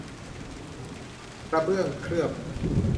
กระเบื้องเคลือบ